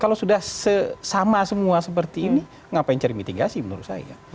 kalau sudah sama semua seperti ini ngapain cari mitigasi menurut saya